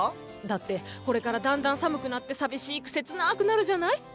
だってこれからだんだん寒くなって寂しく切なくなるじゃない？